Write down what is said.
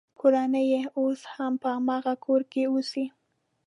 کورنۍ یې اوس هم په هماغه کور کې اوسي.